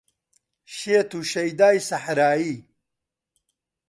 شێت و شەیدای سەحرایی